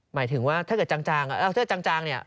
หมายถึงว่าถ้าเกิดจางถ้าเกิดจางเนี่ย